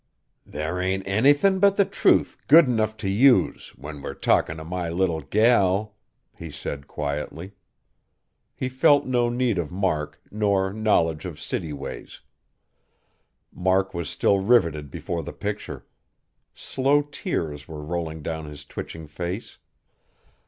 "Thar ain't anythin' but the truth good enough t' use, when we're talkin' of my little gal!" he said quietly. He felt no need of Mark, nor knowledge of city ways. Mark was still riveted before the picture. Slow tears were rolling down his twitching face.